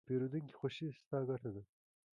د پیرودونکي خوښي، ستا ګټه ده.